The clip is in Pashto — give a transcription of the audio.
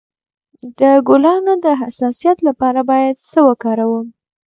د ګلانو د حساسیت لپاره باید څه وکاروم؟